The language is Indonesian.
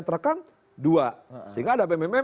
sehingga ada pememem